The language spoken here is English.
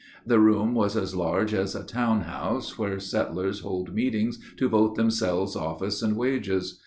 The room was as large as a town house where settlers Hold meetings to vote themselves office and wages.